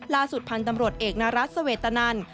ล่าสุดพันธุ์ตำรวจเอกนรัฐเสวตนัน